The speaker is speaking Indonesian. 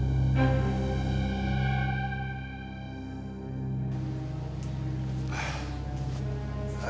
kau tahu apa